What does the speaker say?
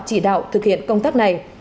chỉ đạo thực hiện công tác này